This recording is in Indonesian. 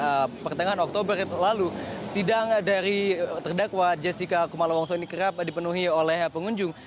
sejak dimulai pertengahan oktober lalu sidang dari terdakwa jessica kumalowongso ini kerap dipenuhi oleh pengunjung